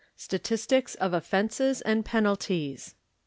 STATISTICS OF OFFENCES AND PENALTIES.